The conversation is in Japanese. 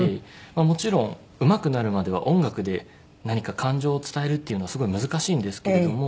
まあもちろんうまくなるまでは音楽で何か感情を伝えるっていうのはすごい難しいんですけれども。